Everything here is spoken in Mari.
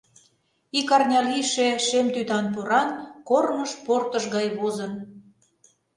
Ик арня лийше шем тӱтан поран Корныш портыш гай возын.